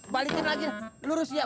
balikin lagi lurus ya